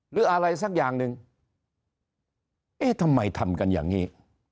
หรืออะไรสักอย่างหนึ่งเอ๊ะทำไมทำกันอย่างนี้